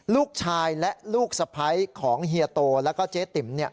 ลูกชายและลูกสะพ้ายของเฮียโตแล้วก็เจ๊ติ๋ม